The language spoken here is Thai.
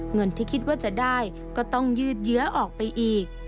เงินที่คิดว่าจะได้ก็ต้องยืดเยื้อออกไปอีก